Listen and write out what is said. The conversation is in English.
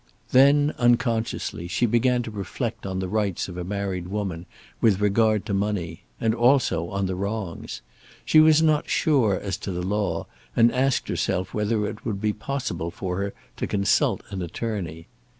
Then unconsciously, she began to reflect on the rights of a married woman with regard to money, and also on the wrongs. She was not sure as to the law, and asked herself whether it would be possible for her to consult an attorney.